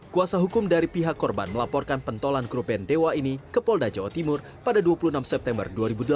kuasa hukum dari pihak korban melaporkan pentolan kerupian dewa ini ke polda jawa timur pada dua puluh enam september dua ribu delapan belas